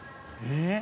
「えっ？」